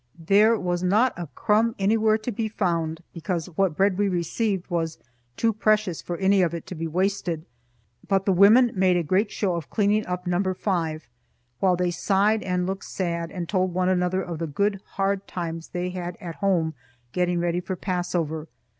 There was not a crumb anywhere to be found, because what bread we received was too precious for any of it to be wasted; but the women made a great show of cleaning up Number Five, while they sighed and looked sad and told one another of the good hard times they had at home getting ready for Passover.